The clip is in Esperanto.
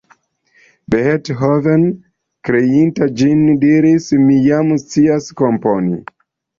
Beethoven, kreinta ĝin, diris: "Mi jam scias komponi".